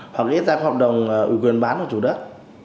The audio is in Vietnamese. hoặc có giấy tờ của hợp đồng ủy quyền bán của chủ đất